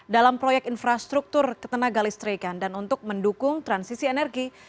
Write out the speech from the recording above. dalam proyek infrastruktur ketenaga listrikan dan untuk mendukung transisi energi